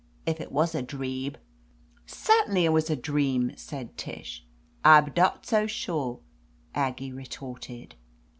If it was a dreab !" ^Certainly it was a dream," said Tish. I'b dot so sure !" Aggie retorted.